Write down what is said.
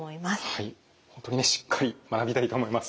はい本当にねしっかり学びたいと思います。